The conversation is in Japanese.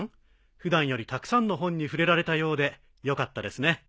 普段よりたくさんの本に触れられたようでよかったですね。